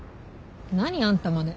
何あんたまで。